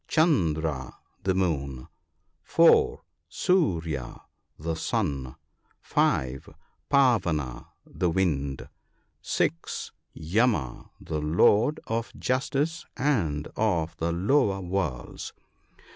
Chandra, the moon ; 4. Surya, the sun. 5. Pavana, the wind. 6. Yama, the lord of justice and of the lower worlds.